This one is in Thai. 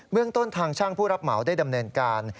เมืองต้นทางช่างผู้รับเหมาได้ดำเนินการ